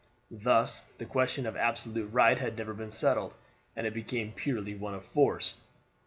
Thus the question of absolute right had never been settled, and it became purely one of force.